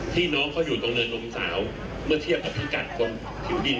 น้องเขาอยู่ตรงเนินนมสาวเมื่อเทียบกับพิกัดตรงผิวดิน